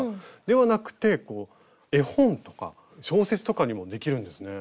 ではなくて絵本とか小説とかにもできるんですね。